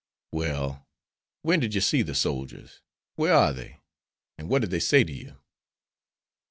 "Well, when did you see the soldiers? Where are they? And what did they say to you?"